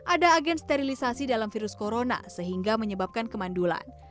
ada agen sterilisasi dalam virus corona sehingga menyebabkan kemandulan